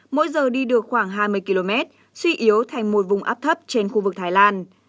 mỗi giờ đi được khoảng hai mươi km suy yếu thành một vùng áp thấp trên khu vực thái lan